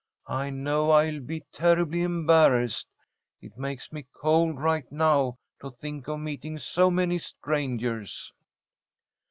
I know I'll be terribly embarrassed. It makes me cold right now to think of meeting so many strangers."